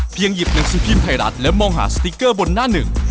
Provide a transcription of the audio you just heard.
หยิบหนังสือพิมพ์ไทยรัฐและมองหาสติ๊กเกอร์บนหน้าหนึ่ง